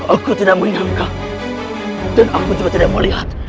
aku lupa shah rakan yang kansayeng ekor inte vesra ku rako